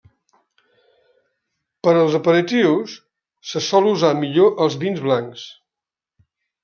Per als aperitius se sol usar millor els vins blancs.